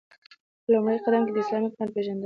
په لومړی قدم كې داسلامي حكومت پيژندنه